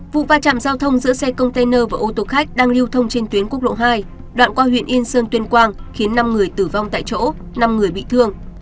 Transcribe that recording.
vụ va chạm giao thông giữa xe container và ô tô khách đang lưu thông trên tuyến quốc lộ hai đoạn qua huyện yên sơn tuyên quang khiến năm người tử vong tại chỗ năm người bị thương